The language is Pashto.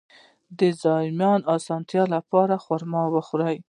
د زایمان د اسانتیا لپاره خرما وخورئ